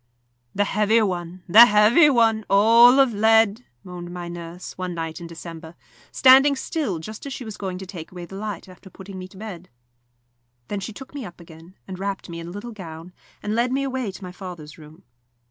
"The heavy one, the heavy one all of lead," moaned my nurse, one night in December, standing still, just as she was going to take away the light after putting me to bed. Then she took me up again, and wrapped me in a little gown, and led me away to my father's room.